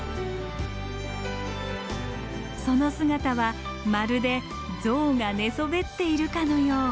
その姿はまるで象が寝そべっているかのよう。